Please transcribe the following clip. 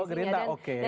kalau gerindra oke